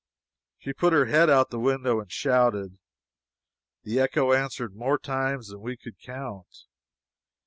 She put her head out at the window and shouted. The echo answered more times than we could count.